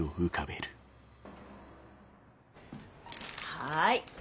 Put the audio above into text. はい。